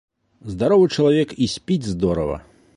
Здаровы чалавек і спіць здорава.